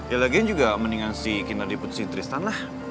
ya lagian juga mendingan si kinar diputusin tristan lah